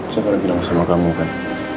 saya pernah bilang sama kamu kan